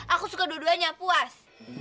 aku suka dua duanya puas